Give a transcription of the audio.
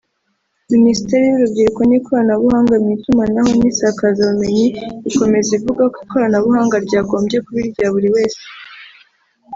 Ministeri y’urubyiruko n’ikoranabuhanga mu Itumanaho n’isakazabumenyi ikomeza ivuga ko ikoranabuhanga ryagombye kuba irya buri wese